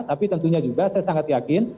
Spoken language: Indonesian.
tapi tentunya juga saya sangat yakin